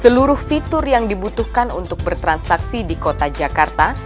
seluruh fitur yang dibutuhkan untuk bertransaksi di kota jakarta